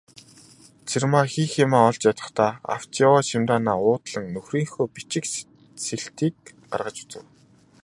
Цэрмаа хийх юмаа олж ядахдаа авч яваа чемоданаа уудлан нөхрийнхөө бичиг сэлтийг гаргаж үзэв.